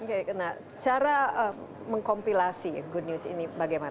oke nah cara mengkompilasi good news ini bagaimana